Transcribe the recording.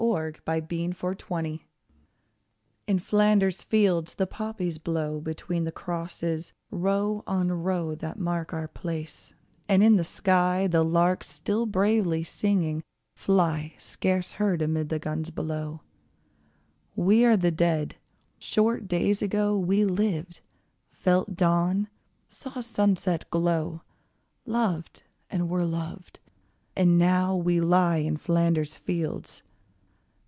L.} IN FLANDERS FIELDS In Flanders fields the poppies grow Between the crosses, row on row That mark our place: and in the sky The larks still bravely singing, fly Scarce heard amid the guns below. We are the Dead. Short days ago We lived, felt dawn, saw sunset glow, Loved, and were loved, and now we lie In Flanders fields.